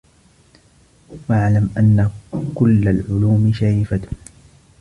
وَاعْلَمْ أَنَّ كُلَّ الْعُلُومِ شَرِيفَةٌ